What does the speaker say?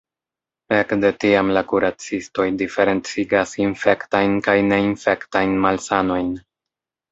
Ekde tiam la kuracistoj diferencigas infektajn kaj neinfektajn malsanojn.